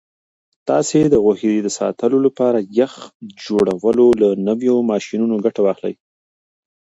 تاسو د غوښې د ساتلو لپاره د یخ جوړولو له نویو ماشینونو ګټه واخلئ.